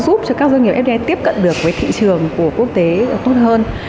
giúp cho các doanh nghiệp fdi tiếp cận được với thị trường của quốc tế tốt hơn